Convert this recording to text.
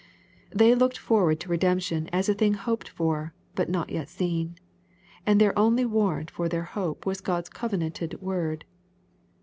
They looked forward to redemption as a thing hoped for, but not yet seen, — and their only warrant for their hope was Grod's covenanted word.